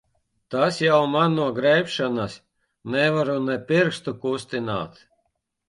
Tas jau man no grebšanas. Nevaru ne pirkstu kustināt.